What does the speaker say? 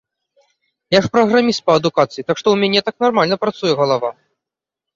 Я ж праграміст па адукацыі, так што ў мяне так нармальна працуе галава.